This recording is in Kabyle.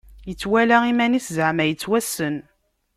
Ittwala iman-is zeɛma yettwassen.